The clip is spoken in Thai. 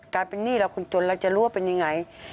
การเป็นหนี้เราคนจนเราจะรั่วเป็นอย่างไร